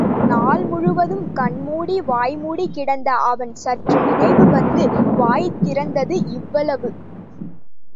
நாள் முழுவதும் கண் மூடி, வாய் மூடிக் கிடந்த அவன் சற்று நினைவு வந்து, வாய் திறந்து, இவ்வளவு.